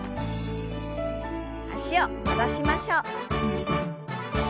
脚を戻しましょう。